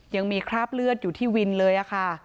ยังมีคราบเลือดอยู่ที่วินเลยค่ะ